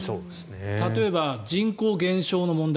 例えば、人口減少の問題。